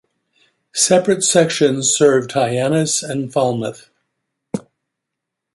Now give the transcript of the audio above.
Separate sections served Hyannis and Falmouth.